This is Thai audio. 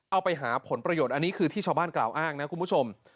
เอาไปหาผลประโยชน์อันนี้คือที่ชาวบ้านกล่าวอ้างนะคุณผู้ชม